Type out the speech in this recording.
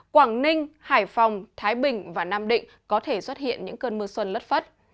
quảng ninh hải phòng thái bình và nam định có thể xuất hiện những cơn mưa xuân lất phất